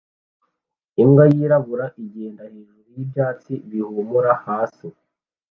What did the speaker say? Imbwa yirabura igenda hejuru yibyatsi bihumura hasi